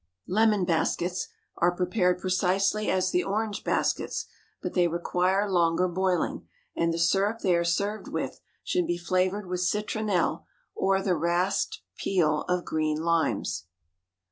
Lemon Baskets are prepared precisely as the orange baskets, but they require longer boiling, and the syrup they are served with should be flavored with citronelle or the rasped peel of green limes.